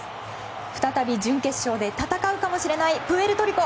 再び準決勝で戦うかもしれないプエルトリコ。